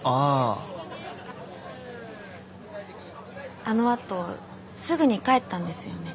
あのあとすぐに帰ったんですよね？